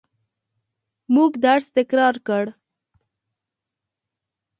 موږ درس تکرار کړ.